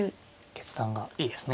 決断がいいですね。